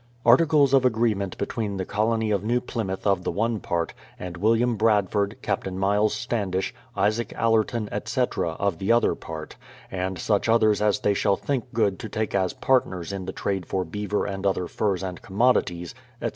Articles of Agreement bctrvcen the Colony of Nezv Plymouth of the one part, and IVilliam Bradford, Captain Myles Standish, Isaac Allcrton, etc., of the other part; and such others as they shall think good to take as partners in the trade for beaver and other fttrs and commodities, etc.